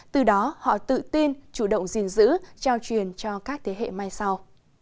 từ đó họ tự tin chủ động gìn giữ trao truyền cho các thế hệ mai sau